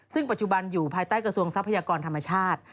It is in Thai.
ซึ่งปัจจุบันอยู่ภายใต้กระทรวงทรัพยากรธรรมชาติ